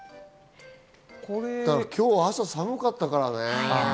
今日、朝寒かったからね。